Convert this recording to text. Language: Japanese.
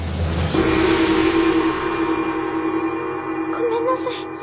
ごめんなさい。